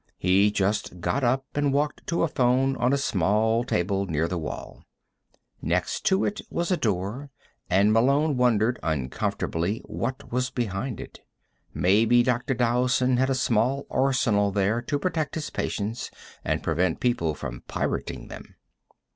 He just got up and walked to a phone on a small table, near the wall. Next to it was a door, and Malone wondered uncomfortably what was behind it. Maybe Dr. Dowson had a small arsenal there, to protect his patients and prevent people from pirating them.